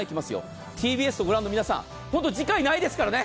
ＴＢＳをご覧の皆さん、本当に次回ないですからね。